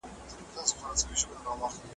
په هر یو سر کې سړیتوب غواړم چې نه ونکړې